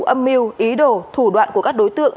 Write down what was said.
âm mưu ý đồ thủ đoạn của các đối tượng